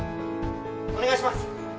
お願いします。